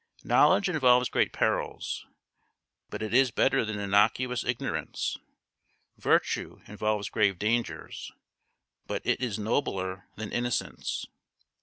Knowledge involves great perils, but it is better than innocuous ignorance; virtue involves grave dangers, but it is nobler than innocence.